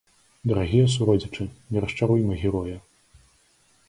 Дарагія суродзічы, не расчаруйма героя!